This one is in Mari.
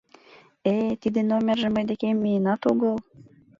— Э-э, тиде номерже мый декем миенат огыл...